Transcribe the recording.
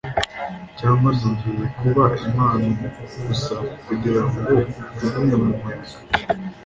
cyangwa nongeye kuba impano gusa kugirango njugunywe mumuyaga